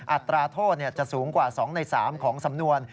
อัตราโทษจะสูงกว่า๒ใน๓ของสำนวน